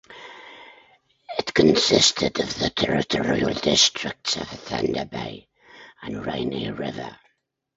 It consisted of the territorial districts of Thunder Bay and Rainy River.